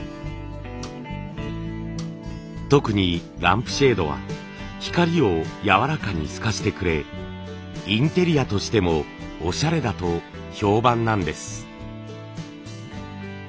特にランプシェードは光をやわらかに透かしてくれインテリアとしてもおしゃれだと評判なんです。